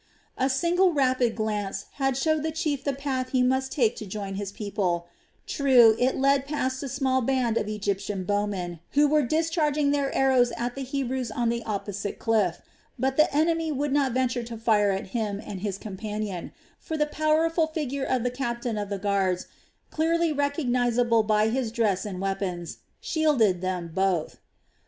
A single rapid glance had showed the chief the path he must take to join his people True, it led past a small band of Egyptian bow men, who were discharging their arrows at the Hebrews on the opposite cliff, but the enemy would not venture to fire at him and his companion; for the powerful figure of the captain of the guards, clearly recognizable by his dress and weapons, shielded them both.